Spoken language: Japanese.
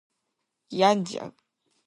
病んじゃう